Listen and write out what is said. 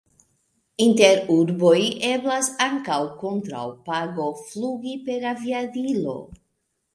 Inter urboj eblas ankaŭ kontraŭ pago flugi per aviadilo.